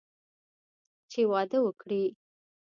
چې واده وکړي.